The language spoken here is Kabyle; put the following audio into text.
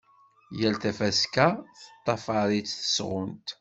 Yal tafaska teṭṭafar-itt tesɣunt.